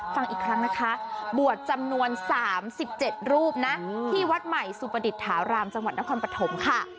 ฟังอีกครั้งนะคะบวชจำนวน๓๗รูปนะที่วัดใหม่สุปดิษฐารามจังหวัดนครปฐมค่ะ